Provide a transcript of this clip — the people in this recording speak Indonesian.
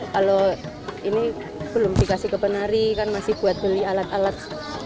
kalau ini belum dikasih ke penari kan masih buat beli alat alat